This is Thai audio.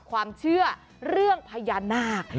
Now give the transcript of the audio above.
ความเชื่อเรื่องพญานาค